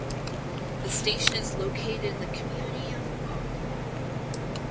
The station is located in the community of Ogden.